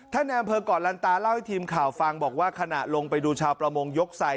ในอำเภอก่อลันตาเล่าให้ทีมข่าวฟังบอกว่าขณะลงไปดูชาวประมงยกใส่